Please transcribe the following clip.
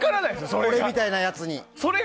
俺みたいなやつに。